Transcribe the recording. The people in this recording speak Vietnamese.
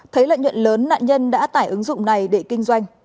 thấy lợi nhuận lớn nạn nhân đã tải ứng dụng này để kinh doanh